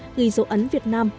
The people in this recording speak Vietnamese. nghi dấu ấn việt nam